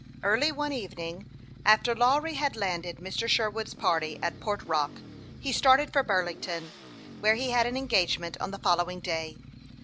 Early one evening, after Lawry had landed Mr. Sherwood's party at Port Rock, he started for Bur lington, where he had an engagement on the following day.